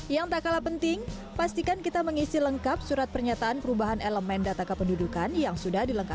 yang tak kalah penting pastikan kita mengisi lengkap surat pernyataan perubahan elemen data kependudukan yang sudah dilengkapi